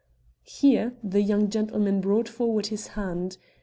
Here the young gentleman brought forward his hand.